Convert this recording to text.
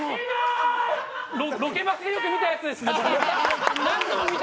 ロケバスでよく見たやつです、これ。